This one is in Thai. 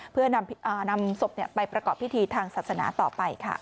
เพื่อนำศพไปประกอบพิธีทางศาสนาต่อไปค่ะ